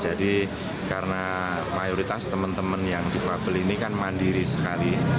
jadi karena mayoritas teman teman yang dipapel ini kan mandiri sekali